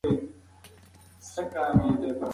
خیر محمد پر سړک ولاړ دی.